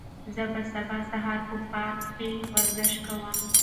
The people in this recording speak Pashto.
زه به سبا سهار په پارک کې ورزش کوم.